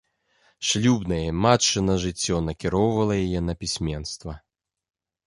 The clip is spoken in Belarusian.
Шлюбнае і матчына жыццё накіроўвала яе на пісьменства.